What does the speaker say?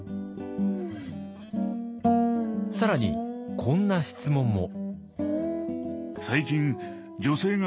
更にこんな質問も。